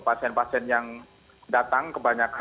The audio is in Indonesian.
pasien pasien yang datang kebanyakan